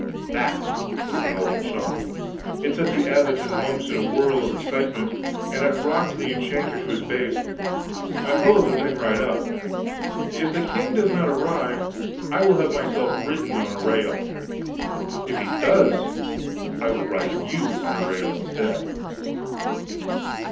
That was a noble shot! It set the abbot and the monks in a whirl of excitement, and it rocked the enchanter to his base. I followed the thing right up: "If the king does not arrive, I will have myself ridden on a rail: if he does I will ride you on a rail instead."